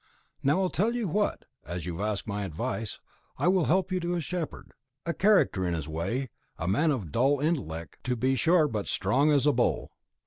"Now I'll tell you what as you have asked my advice, I will help you to a shepherd; a character in his way, a man of dull intellect, to be sure but strong as a bull."